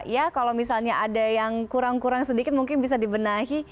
ya kalau misalnya ada yang kurang kurang sedikit mungkin bisa dibenahi